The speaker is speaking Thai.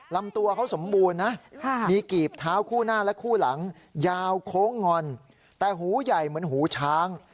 ลำตัวเขาสมบูรณ์นะมีกีบเท้าคู่หน้าและคู่หลังยาวโค้งงอนแต่หูใหญ่เหมือนหูช้าง